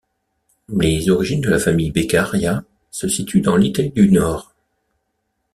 Les origines de la famille Beccaria se situent dans l'Italie du Nord.